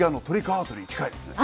アートに近いですね。